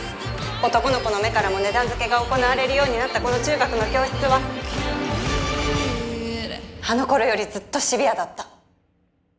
男の子の目からも値段付けが行われるようになったこの中学の教室はあの頃よりずっとシビアだった。